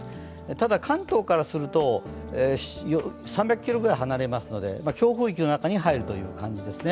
ただ関東からすると、３００ｋｍくらい離れますので強風域の中に入るという感じですね。